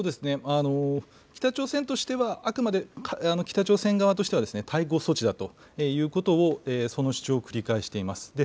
北朝鮮としてはあくまで、北朝鮮側としては、対抗措置だということを、その主張を繰り返しています。